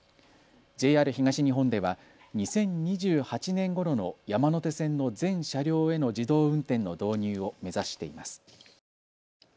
ＪＲ東日本では２０２８年ごろの山手線の全車両への自動運転の導入を目指しています。